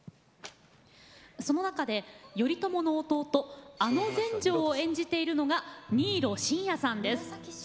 その中で、頼朝の弟阿野全成を演じているのが新納慎也さんです。